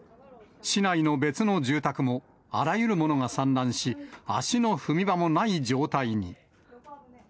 市内の別の住宅も、あらゆるものが散乱し、足の踏み場もない状態に。